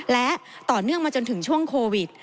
และต่อเนื่องมาจนถึงช่วงโควิด